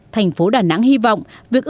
thành phố đà nẵng hy vọng